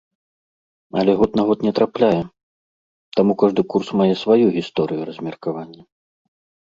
Але год на год не трапляе, таму кожны курс мае сваю гісторыю размеркавання.